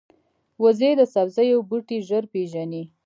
وزې د سبزیو بوټي ژر پېژني